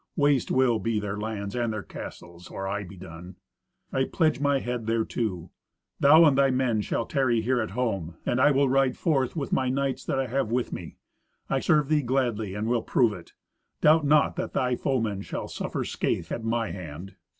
Waste will be their lands and their castles, or I be done. I pledge my head thereto. Thou and thy men shall tarry here at home, and I will ride forth with my knights that I have with me. I serve thee gladly, and will prove it. Doubt not that thy foemen shall suffer scathe at my hand."